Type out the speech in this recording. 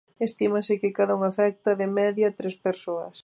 Estímase que cada un afecta, de media, tres persoas.